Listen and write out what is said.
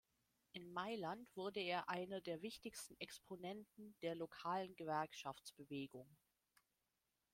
In Mailand wurde er einer der wichtigsten Exponenten der lokalen Gewerkschaftsbewegung.